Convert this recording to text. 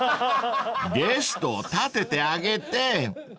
［ゲストを立ててあげて］